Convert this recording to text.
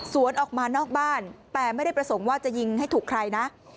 ออกมานอกบ้านแต่ไม่ได้ประสงค์ว่าจะยิงให้ถูกใครนะ